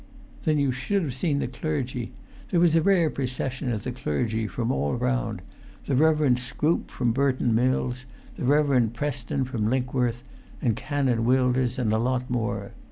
Then you should have seen the clergy; there was a rare procession of the clergy from all round; the Reverend Scrope from Burton Mills, the Reverend Preston from Linkworth,[Pg 402] and Canon Wilders, and a lot more.